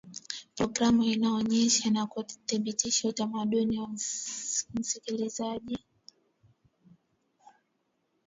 programu inaonesha na kuthibitisha utamaduni wa msikilizaji